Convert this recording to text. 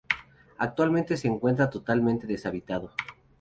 Actualmente se encuentra totalmente deshabitado.